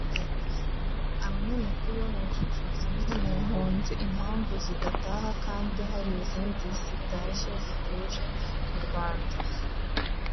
Abanyamakuru babajije zimwe mu mpunzi impamvu zidataha kandi hari izindi zitashye zituje mu Rwanda